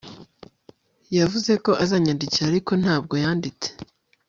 Yavuze ko azanyandikira ariko ntabwo yanditse